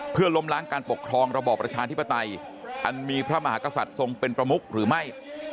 เพื่อล้มล้างการปกครองระบอบประชาธิปไตยอันมีพระมหากษัตริย์ทรงเป็นประมุกหรือไม่